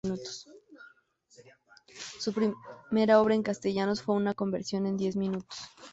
Su primera obra en castellano fue "Una conversión en diez minutos".